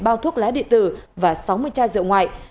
ba bao thuốc lá điện tử và sáu mươi chai rượu ngoại